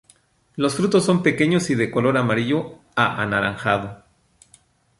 Los frutos son pequeños y de color amarillo a anaranjado.